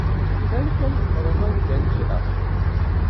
Iban kan teffred anda n kra.